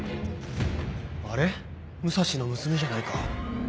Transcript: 武蔵の娘じゃないか？